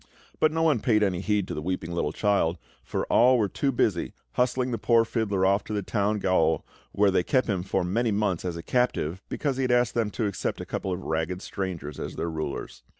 But no one paid any heed to the weeping little child, for all were too busy hustling the poor fiddler off to the town gaol, where they kept him for many months as a captive, because he had asked them to accept a couple of ragged strangers as their rulers.